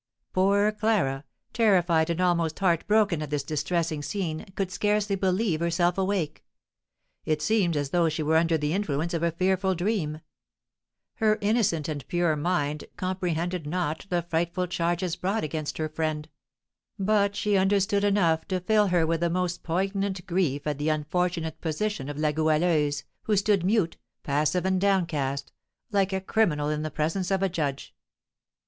Poor Clara, terrified and almost heart broken at this distressing scene, could scarcely believe herself awake. It seemed as though she were under the influence of a fearful dream. Her innocent and pure mind comprehended not the frightful charges brought against her friend; but she understood enough to fill her with the most poignant grief at the unfortunate position of La Goualeuse, who stood mute, passive and downcast, like a criminal in the presence of the judge.